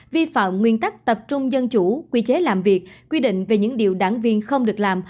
vi phạm nguyên tắc tập trung dân chủ quy chế làm việc quy định về những điều đảng viên không được làm